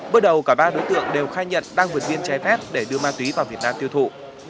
bước đầu cả ba đối tượng đều khai nhận đang vượt biên trái phép để đưa ma túy vào việt nam tiêu thụ